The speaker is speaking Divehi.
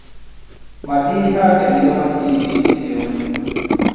މަދީޙާގެ ލިޔުމަކީ ރީތި ލިޔުމެއް